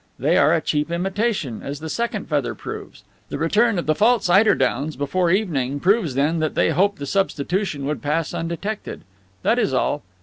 They are a cheap imitation, as the second feather proves. The return of the false eider downs, before evening, proves then that they hoped the substitution would pass undetected. That is all.